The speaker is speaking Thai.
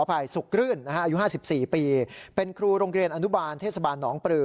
อายุ๕๔ปีเป็นครูโรงเรียนอนุบารพฤษฐ์นองปรือ